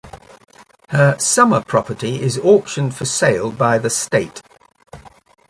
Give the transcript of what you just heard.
Her summer property is auctioned for sale by the state.